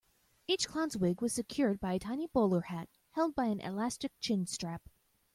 Each clown's wig was secured by a tiny bowler hat held by an elastic chin-strap.